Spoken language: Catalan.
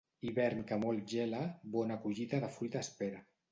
Hivern que molt gela, bona collita de fruita espera.